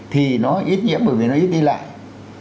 thì nó ít nhiễm bởi vì nó ít đi lại